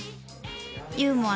ユーモア